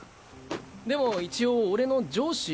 でも一応俺の上司？